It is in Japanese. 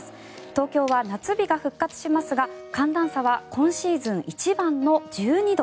東京は夏日が復活しますが寒暖差は今シーズン一番の１２度。